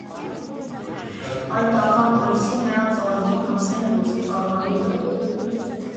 Այդ տարվա մայիսին նրանց ալբոմը հասել է ոսկե կարգավիճակի։